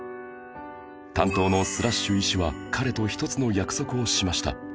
担当のスラッシュ医師は彼と一つの約束をしました